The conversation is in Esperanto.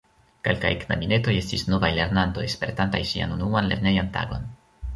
Kelkaj knabinetoj estis novaj lernantoj, spertantaj sian unuan lernejan tagon.